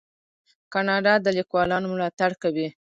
کاناډا د لیکوالانو ملاتړ کوي.